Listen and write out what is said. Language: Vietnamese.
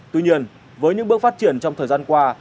tuy nhiên với những bước phát triển trong thời gian qua